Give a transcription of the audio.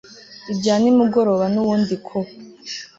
ibya nimugoroba nubundi ko